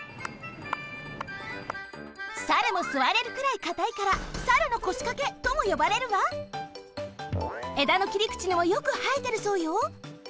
サルもすわれるくらいかたいから「サルノコシカケ」ともよばれるがえだのきりくちにもよくはえてるそうよ。